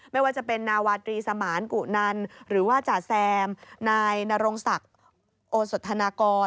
ไม่ว่าจะเป็นนาวาตรีสมานกุนันหรือว่าจ่าแซมนายนรงศักดิ์โอสธนากร